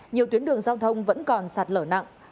nhiều tuyến đường giao thông vẫn còn sạt lở nặng